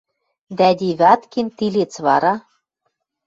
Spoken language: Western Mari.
Дӓ Девяткин тилец вара